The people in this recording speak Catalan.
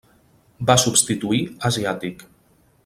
Va substituir Asiàtic.